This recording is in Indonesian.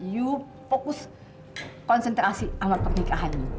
you fokus konsentrasi sama pernikahan yu